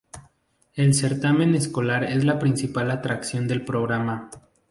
El certamen escolar es la principal atracción del programa.